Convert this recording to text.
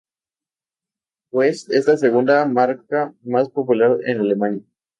West es la segunda marca más popular en Alemania.